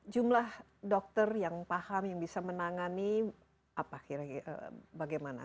jumlah dokter yang paham yang bisa menangani apa kira kira bagaimana